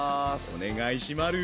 お願いしまる。